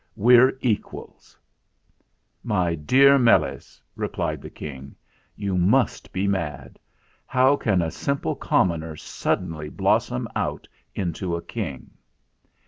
We're equals." "My dear Meles," replied the King. "You must be mad. How can a simple commoner suddenly blossom out into a King?"